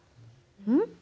うん？